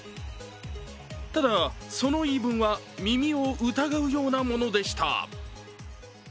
ただ、その言い分は耳を疑うようなものでした。